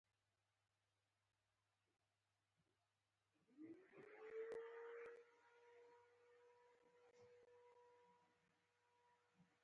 هغوی بریالي شول چې د رودز له یرغله ځان وژغوري.